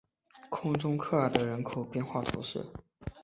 空中科尔德人口变化图示